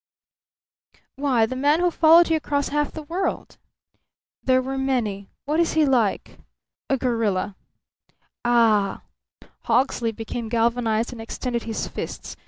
"Why, the man who followed you across half the world." "There were many. What is he like?" "A gorilla." "Ah!" Hawksley became galvanized and extended his fists.